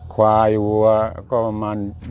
ควายวัวก็ประมาณ